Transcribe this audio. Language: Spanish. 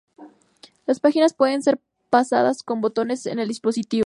Las páginas pueden ser pasadas con botones en el dispositivo.